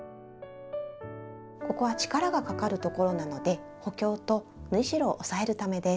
ここは力がかかるところなので補強と縫い代を押さえるためです。